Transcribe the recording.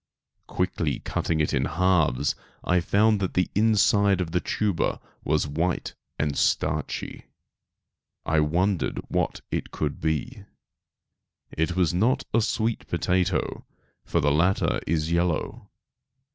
Quickly cutting it in halves I found that the inside of the tuber was white and starchy. I wondered what it could be. It was not a sweet potato, for the latter is yellow.